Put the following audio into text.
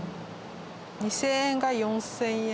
２０００円が４０００円。